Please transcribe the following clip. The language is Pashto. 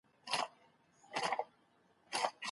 ولي هڅاند سړی د تکړه سړي په پرتله ښه ځلېږي؟